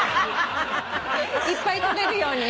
いっぱい撮れるように。